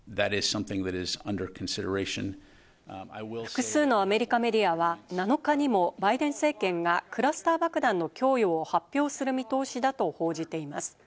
複数のアメリカメディアは７日にもバイデン政権がクラスター爆弾の供与を発表する見通しだと報じています。